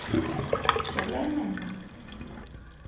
¿Sobre a emenda?